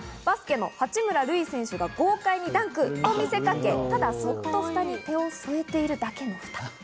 バスケの八村塁選手が豪快にダンクと見せかけ、ただ、そっとフタに手を添えているだけのフタ。